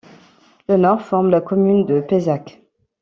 Le nord forme la commune de Payzac.